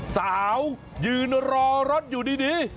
สาวยืนรอรถอยู่ดี